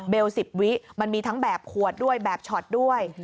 ๑๐วิมันมีทั้งแบบขวดด้วยแบบช็อตด้วย